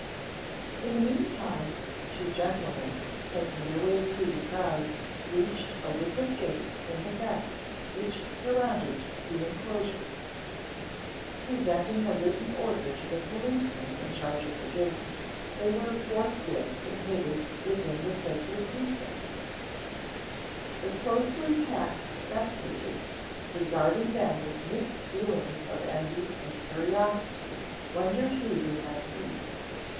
In the mean time the two gentlemen, making their way through the crowd, reached a wicket gate in the fence which surrounded the inclosure. Presenting a written order to the policeman in charge of the gate, they were forthwith admitted within the sacred precincts The closely packed spectators, regarding them with mixed feelings of envy and curiosity, wondered who they might be.